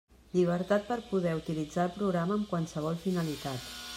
Llibertat per poder utilitzar el programa amb qualsevol finalitat.